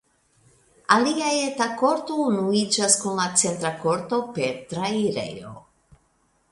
Alia eta korto unuiĝas kun la centra korto per trairejo.